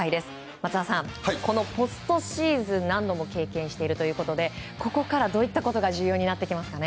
松田さん、このポストシーズン何度も経験しているということでここから、どういったことが重要になってきますかね。